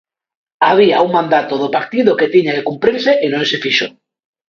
Había un mandato do partido que tiña que cumprirse e non se fixo.